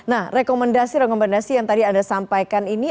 nah rekomendasi rekomendasi yang tadi anda sampaikan ini